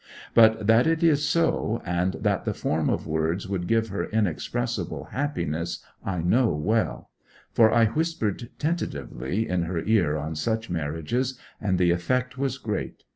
But that it is so, and that the form of words would give her inexpressible happiness, I know well; for I whispered tentatively in her ear on such marriages, and the effect was great.